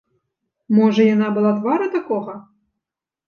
Можа, яна была твару такога?